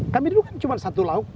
kami dulu kan cuma satu lauk